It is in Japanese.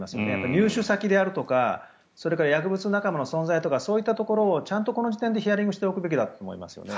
入手先であるとかそれから、薬物仲間の存在とかそういったところをちゃんとこの時点でヒアリングしておくべきだったと思います。